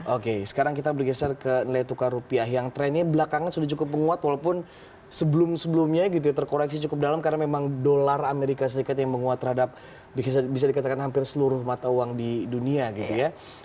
oke sekarang kita bergeser ke nilai tukar rupiah yang trennya belakangan sudah cukup menguat walaupun sebelum sebelumnya gitu ya terkoreksi cukup dalam karena memang dolar amerika serikat yang menguat terhadap bisa dikatakan hampir seluruh mata uang di dunia gitu ya